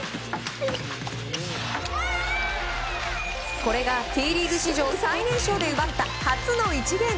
これがＴリーグ史上最年少で奪った初の１ゲーム。